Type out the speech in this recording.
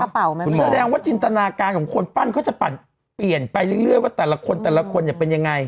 แสดงว่าจินตนาการของคนปั้นเขาจะปั่นเปลี่ยนไปเรื่อยว่าแต่ละคนแต่ละคนเนี่ยเป็นยังไง